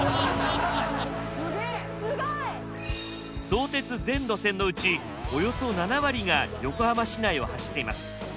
相鉄全路線のうちおよそ７割が横浜市内を走っています。